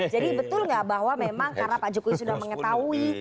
jadi betul enggak bahwa memang karena pak jokowi sudah mengetahui